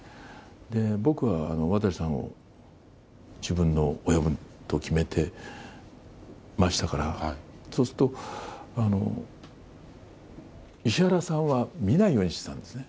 で、僕は渡さんを自分の親分と決めてましたから、そうすると、石原さんは、見ないようにしてたんですね。